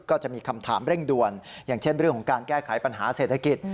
ก็จะมีคำถามเร่งด่วนอย่างเช่นเรื่องของการแก้ไขปัญหาเศรษฐกิจ